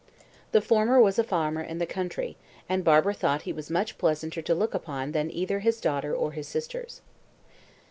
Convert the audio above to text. The former was a farmer in the country, and Barbara thought he was much pleasanter to look upon than either his daughter or sisters.